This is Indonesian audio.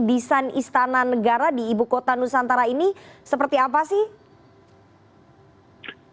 desain istana negara di ibu kota nusantara ini seperti apa sih